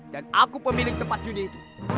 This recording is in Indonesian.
dan aku pemilik tempat judi itu